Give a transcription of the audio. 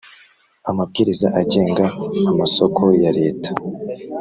Amabwiriza agenga amasoko ya leta